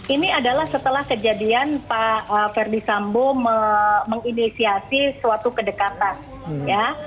ini adalah setelah kejadian pak ferdi sambo menginisiasi suatu kedekatan ya